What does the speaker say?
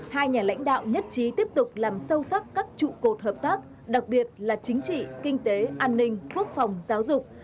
hai nhà lãnh đạo nhất trí tiếp tục làm sâu sắc các trụ cột hợp tác đặc biệt là chính trị kinh tế an ninh quốc phòng giáo dục